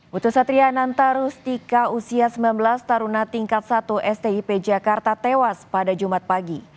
butuh satria nanta rustika usia sembilan belas taruna tingkat satu stip jakarta tewas pada jumat pagi